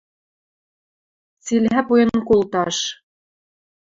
Цилӓ пуэн колташ